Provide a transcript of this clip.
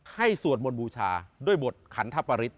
สวดมนต์บูชาด้วยบทขันทปริศ